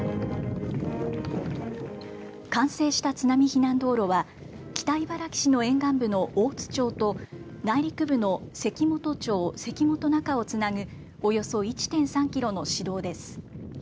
完成した津波避難道路は北茨城市の沿岸部の大津町と内陸部の関本町関本中をつなぐおよそ１．３キロの市道です。